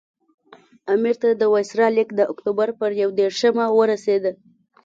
امیر ته د وایسرا لیک د اکټوبر پر یو دېرشمه ورسېد.